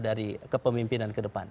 dari kepemimpinan ke depan